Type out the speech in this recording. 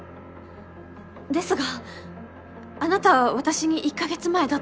ですがあなたは私に１か月前だと。